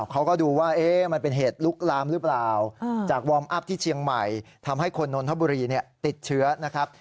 เขาก็ดูว่ามันเป็นเหตุลุกลามหรือเปล่าจากวอร์มอัพที่เชียงใหม่ทำให้คนนนทบุรีติดเชื้อนะครับ